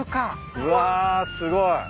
うわすごい。